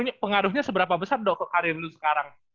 iya pengaruhnya seberapa besar dokter karir lu sekarang